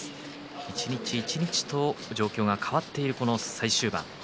一日一日と状況が変わっている最終盤。